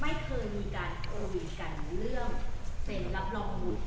แล้ววิวบุตรเราก็